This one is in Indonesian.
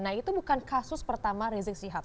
nah itu bukan kasus pertama rizik sihab